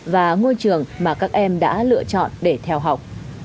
và ngôi trường mà các em đã lựa chọn để theo học